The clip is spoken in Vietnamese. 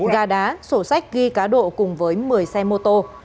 gà đá sổ sách ghi cá độ cùng với một mươi xe mô tô